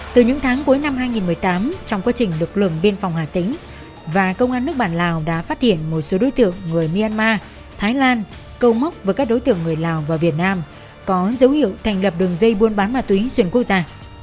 từ những tháng cuối năm hai nghìn một mươi tám trong quá trình lực lượng biên phòng hà tĩnh và công an nước bản lào đã phát hiện một số đối tượng người myanmar thái lan câu móc với các đối tượng người lào và việt nam có dấu hiệu thành lập đường dây buôn bán ma túy xuyên quốc gia